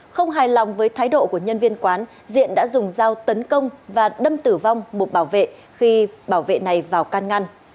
không hài lòng với thái độ của nhân viên quán diện đã dùng dao tấn công và đâm tử vong một bảo vệ khi bảo vệ này vào can ngăn